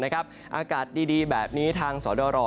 อากาศดีแบบนี้ทางสอดร